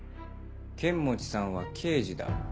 剣持さんは刑事だ。